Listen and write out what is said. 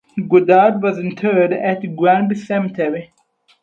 Godard was interred at Granby Cemetery.